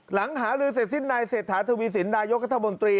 หลังหาลือเสร็จสิ้นนายเศรษฐาทวีสินนายกรัฐมนตรี